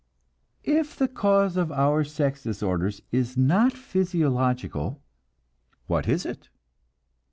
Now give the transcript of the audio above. If the cause of our sex disorders is not physiological, what is it?